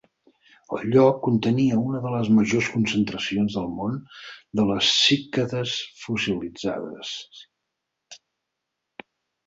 El lloc contenia una de les majors concentracions del món de les cícades fossilitzades.